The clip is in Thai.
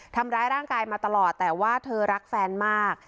ทำร้ายร่างกายมาตลอดแต่ว่าเธอรักแฟนมาก